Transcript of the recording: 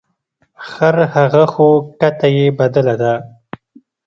خر هغه خو کته یې بدله ده.